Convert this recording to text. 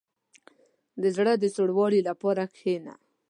• د زړه د سوړوالي لپاره کښېنه.